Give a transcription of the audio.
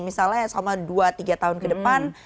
misalnya selama dua tiga tahun ke depan